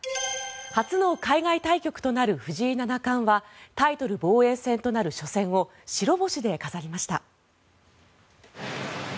初の海外対局となる藤井七冠はタイトル防衛戦となる初戦を白星で飾りました。